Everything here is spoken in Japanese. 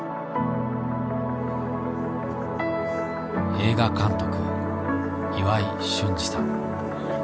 映画監督・岩井俊二さん。